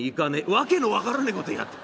「訳の分からねえこと言いやがって。